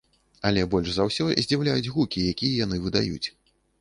Але больш за ўсё здзіўляюць гукі, якія яны выдаюць.